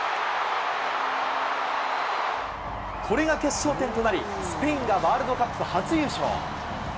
これが決勝点となり、スペインがワールドカップ初優勝。